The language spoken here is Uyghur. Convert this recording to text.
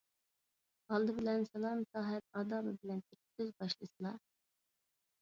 ئالدى بىلەن سالام - سەھەت ئادابى بىلەن كىرىپ سۆز باشلىسىلا.